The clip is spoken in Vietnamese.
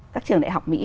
các trường đại học mỹ